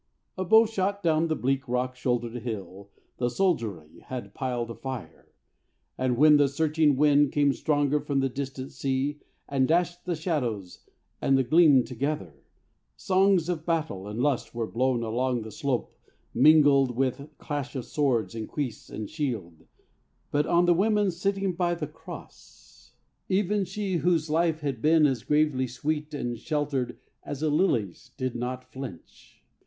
A bowshot down The bleak rock shouldered hill the soldiery Had piled a fire, and when the searching wind Came stronger from the distant sea and dashed The shadows and the gleam together, songs Of battle and lust were blown along the slope Mingled with clash of swords on cuisse and shield. But of the women sitting by the cross Even she whose life had been as gravely sweet And sheltered as a lily's did not flinch.